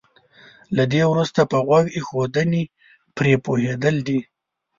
له دې وروسته په غوږ ايښودنې پرې پوهېدل دي.